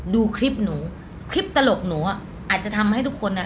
ดูคลิปหนูคลิปตลกหนูอ่ะอาจจะทำให้ทุกคนอ่ะ